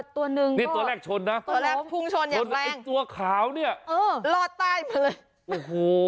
ตัวนึงก็ตัวแรกชนนะตัวขาวเนี่ยรอดใต้มาเลยโอ้โฮ